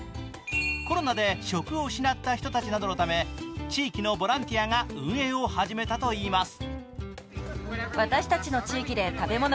コロナで職を失った人たちなどのため地域のボランティアが運営を始めたといいます。